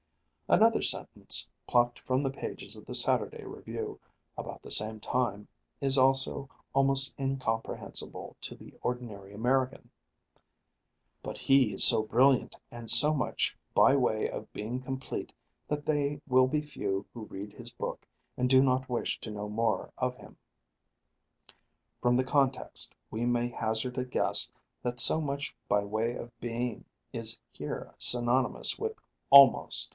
Another sentence plucked from the pages of the Saturday Review about the same time is also almost incomprehensible to the ordinary American: "But he is so brilliant and so much by way of being complete that they will be few who read his book and do not wish to know more of him." From the context we may hazard a guess that so much by way of being is here synonymous with almost.